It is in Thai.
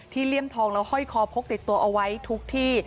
เลี่ยมทองแล้วห้อยคอพกติดตัวเอาไว้ทุกที่